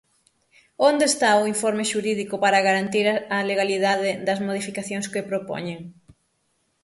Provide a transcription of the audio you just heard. ¿Onde está o informe xurídico para garantir a legalidade das modificacións que propoñen?